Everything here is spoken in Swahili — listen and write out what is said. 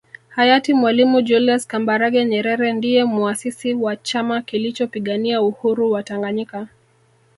Hayati Mwalimu Julius Kambarage Nyerere ndiye Muasisi wa Chama kilichopigania uhuru wa Tanganyika